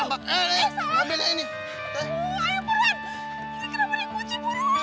ayo peruan kenapa ini kunci peruan